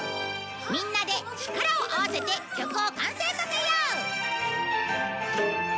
みんなで力を合わせて曲を完成させよう！